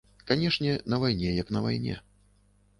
Канешне, на вайне як на вайне.